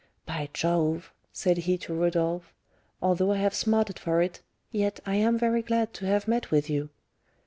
"By Jove," said he to Rodolph, "although I have smarted for it, yet I am very glad to have met with you."